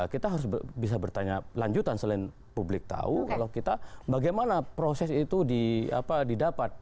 kita harus bisa bertanya lanjutan selain publik tahu kalau kita bagaimana proses itu didapat